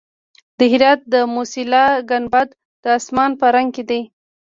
د هرات د موسیلا ګنبد د اسمان په رنګ دی